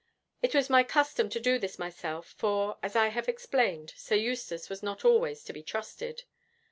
It was my custom to do this myself, for, as I have explained, Sir Eustace was not always to be trusted.